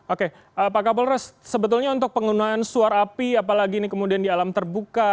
oke pak kapolres sebetulnya untuk penggunaan suar api apalagi ini kemudian di alam terbuka